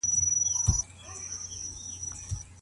له ناستې سره سم بايد راسته لاس په لاس کي ورکړي.